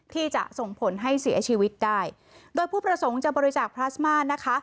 ที่จะส่งผลให้เสียชีวิตได้โดยผู้ประสงค์จะบริจาคพลาสมานะคะ